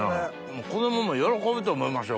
子供も喜ぶと思いますよ